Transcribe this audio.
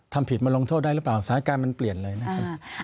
ทำผิดมาลงโทษได้หรือเปล่าสถานการณ์มันเปลี่ยนเลยนะครับ